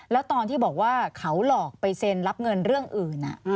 แล้วตอนที่บอกว่าเขาหลอกไปเซ็นรับเงินเรื่องอื่น